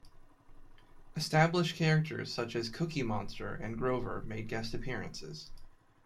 Established characters such as Cookie Monster and Grover made guest appearances.